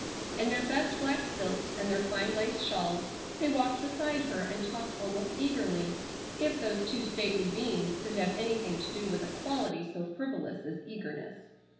In their best black silks and their fine lace shawls they walked beside her and talked almost eagerly, if those two stately beings could have anything to do with a quality so frivolous as eagerness.